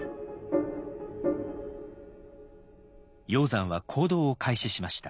鷹山は行動を開始しました。